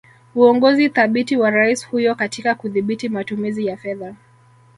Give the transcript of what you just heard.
Uongozi thabiti wa Rais huyo katika kudhibiti matumizi ya fedha